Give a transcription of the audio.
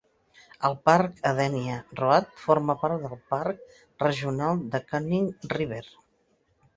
El parc Adenia Road forma part del Parc Regional de Canning River.